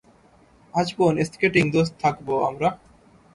আজীবন স্কেটিং দোস্ত থাকব আমরা!